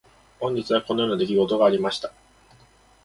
本日はこのような出来事がありました。